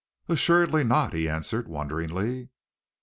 "Assuredly not," he answered wonderingly.